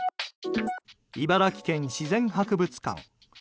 茨城県自然博物館。